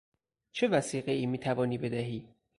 چه وثیقهای میتوانی بدهی؟